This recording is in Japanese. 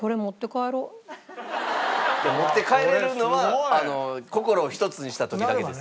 持って帰れるのは心をひとつにした時だけです。